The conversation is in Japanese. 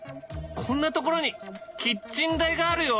こんなところにキッチン台があるよ！